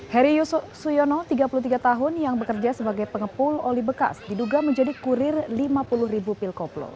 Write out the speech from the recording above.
heri suyono tiga puluh tiga tahun yang bekerja sebagai pengepul oli bekas diduga menjadi kurir lima puluh ribu pil koplo